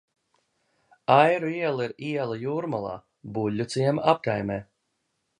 Airu iela ir iela Jūrmalā, Buļļuciema apkaimē.